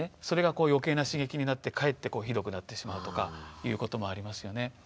それが余計な刺激になってかえってひどくなってしまうとかいうこともありますよね。